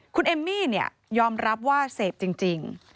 คุณเอมมี่ยอมรับว่าเสพจริง